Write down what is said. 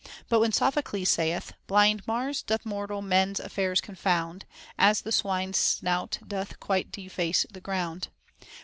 But when Sophocles saith, Blind Mars doth mortal men's affairs confound, As the swine's snout doth quite deface the ground, * Eurip.